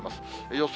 予想